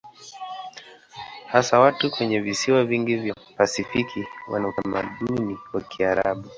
Hasa watu kwenye visiwa vingi vya Pasifiki wana utamaduni wa karibu.